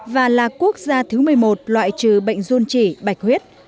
và là quốc gia thứ một mươi một loại trừ bệnh dôn chỉ bạch huyết